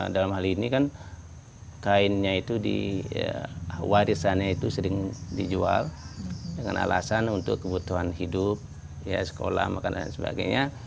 dalam hal ini kan kainnya itu di warisannya itu sering dijual dengan alasan untuk kebutuhan hidup sekolah makan dan sebagainya